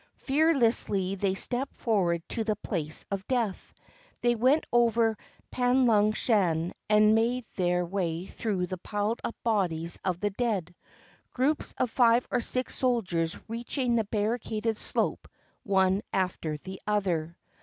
Fearlessly they stepped forward to the place of death. They went over Panlung shan and made their way through the piled up bodies of the dead, groups of five or six soldiers reaching the barricaded slope one after another.